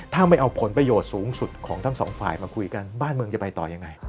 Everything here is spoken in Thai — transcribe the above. ถ้าไม่เอาผลประโยชน์สูงสุดของทั้งสองฝ่ายมาคุยกันบ้านเมืองจะไปต่อยังไง